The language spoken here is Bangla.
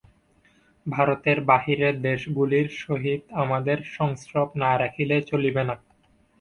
ভারতের বাহিরের দেশগুলির সহিত আমাদের সংস্রব না রাখিলে চলিবে না।